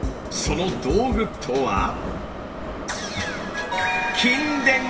その道具とは？